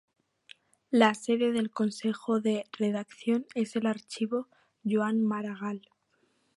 La sede del Consejo de Redacción es el Archivo Joan Maragall.